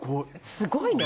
すごいな。